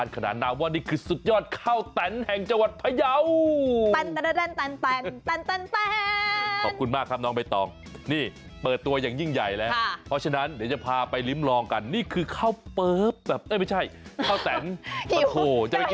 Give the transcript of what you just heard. ข้าวแตนโอ้โฮจะไปกินข้าวเปิ๊บเหรอ